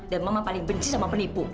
mama paling benci sama penipu